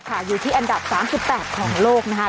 อยู่ที่อันดับ๓๘ของโลกนะคะ